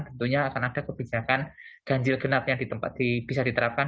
tentunya akan ada kebijakan ganjil genap yang bisa diterapkan